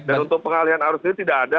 dan untuk pengalihan arus ini tidak ada